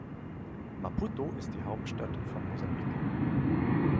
Maputo ist die Hauptstadt von Mosambik.